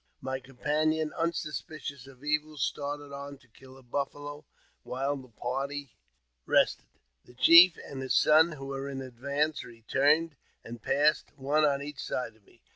My companion, un suspicious of evil, started on to kill buffalo while the party rested. The chief and his son, who were in advance, returned,, and passed one on each side of me.